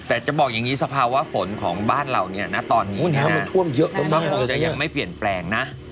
แต่จะบอกอย่างนี้สภาวะฝนของบ้านเราตอนนี้มันคงจะยังไม่เปลี่ยนแปลงนะ